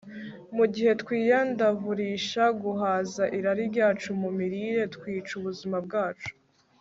mu gihe twiyandavurisha guhaza irari ryacu mu mirire twica ubuzima bwacu